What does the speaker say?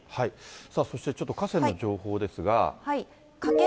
さあ、そしてちょっと河川の情報ですが。